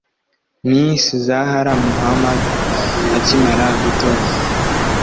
Miss Zahara Muhammad akimara gutorwa